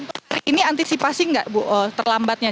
untuk hari ini antisipasi nggak bu terlambatnya